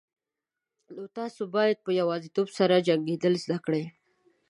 نو تاسو باید په یوازیتوب سره جنگیدل زده کړئ.